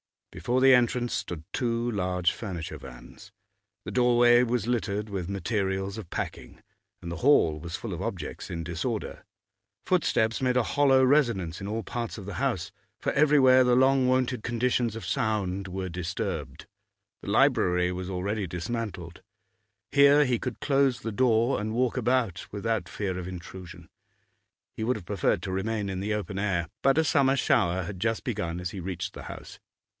Before the entrance stood two large furniture vans; the doorway was littered with materials of packing, and the hall was full of objects in disorder, footsteps made a hollow resonance in all parts of the house, for everywhere the long wonted conditions of sound were disturbed. The library was already dismantled; here he could close the door and walk about without fear of intrusion. He would have preferred to remain in the open air, but a summer shower had just begun as he reached the house.